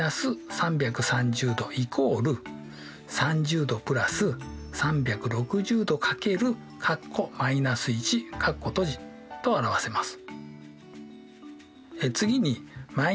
−６９０°＝３０°＋３６０°×と表せます。